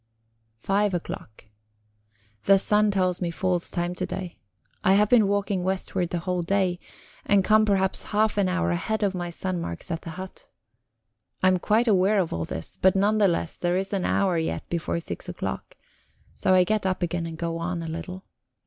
Five o'clock. The sun tells me false time today; I have been walking westward the whole day, and come perhaps half an hour ahead of my sun marks at the hut. I am quite aware of all this, but none the less there is an hour yet before six o'clock, so I get up again and go on a little.